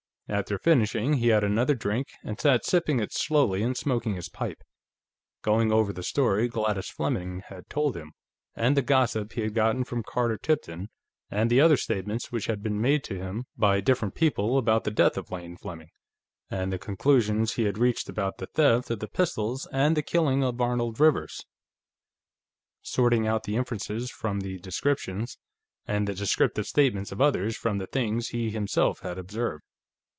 After finishing, he had another drink, and sat sipping it slowly and smoking his pipe; going over the story Gladys Fleming had told him, and the gossip he had gotten from Carter Tipton, and the other statements which had been made to him by different people about the death of Lane Fleming, and the conclusions he had reached about the theft of the pistols, and the killing of Arnold Rivers; sorting out the inferences from the descriptions, and the descriptive statements of others from the things he himself had observed.